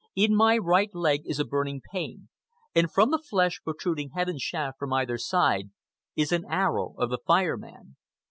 In my right leg is a burning pain; and from the flesh, protruding head and shaft from either side, is an arrow of the Fire Man.